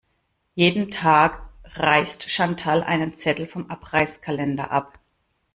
Jeden Tag reißt Chantal einen Zettel vom Abreißkalender ab.